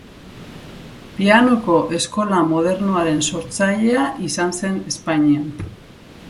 Pianoko eskola modernoaren sortzailea izan zen Espainian.